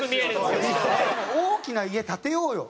大きな家建てようよ。